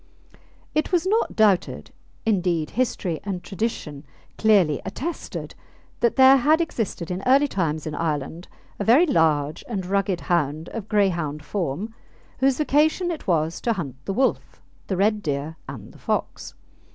It was not doubted indeed, history and tradition clearly attested that there had existed in early times in Ireland a very large and rugged hound of Greyhound form, whose vocation it was to hunt the wolf, the red deer, and the fox.